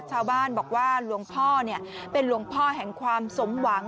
ชาวบ้านบอกว่าหลวงพ่อเป็นหลวงพ่อแห่งความสมหวัง